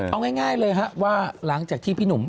เอาง่ายเลยฮะว่าหลังจากที่พี่หนุ่ม